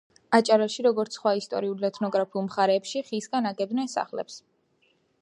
აჭარაში როგორც სხვა ისტორიულ ეთნოგრაფიული მხარეებში ხისგან აგებდნენ სახლებს